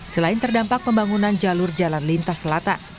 selain terdampak pembangunan jalur jalan lintas selatan